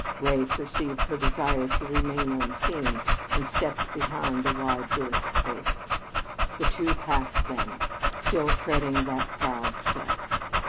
Ray perceived her desire to remain unseen, and stepped behind the wide girthed oak. The two passed them, still treading that proud step.